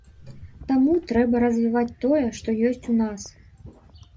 Таму трэба развіваць тое, што ёсць у нас.